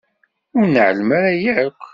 Ur nɛellem ara yakk.